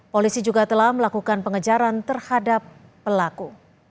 polisi juga telah melakukan pengejaran terhadap pelaku